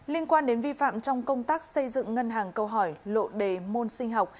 liên quan đến vi phạm trong công tác xây dựng ngân hàng câu hỏi lộ đề môn sinh học